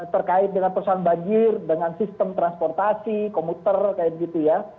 terkait dengan persoalan banjir dengan sistem transportasi komuter kayak begitu ya